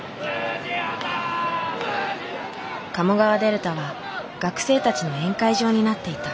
鴨川デルタは学生たちの宴会場になっていた。